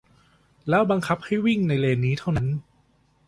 แล้วบังคับให้วิ่งในเลนนี้เท่านั้น